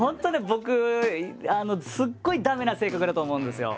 僕すごい駄目な性格だと思うんですよ。